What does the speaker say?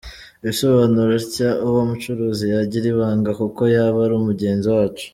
Abisobanura atya: “Uwo mucuruzi yagira ibanga kuko yaba ari mugenzi wacu.